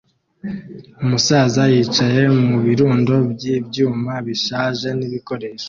Umusaza yicaye mu birundo by'ibyuma bishaje n'ibikoresho